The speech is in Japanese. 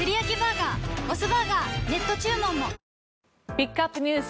ピックアップＮＥＷＳ